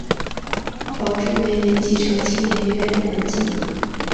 宝治元年继承青莲院门迹。